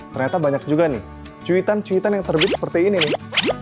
ternyata banyak juga nih cuitan cuitan yang terbit seperti ini nih